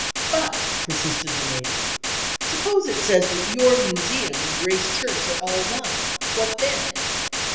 "But," persisted the lady, "suppose it says that your Museum and Grace Church are all one, what then?"